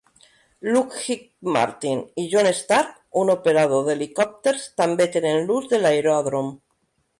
Lockheed Martin i Jon Stark, un operador d'helicòpters, també tenen l'ús de l'aeròdrom.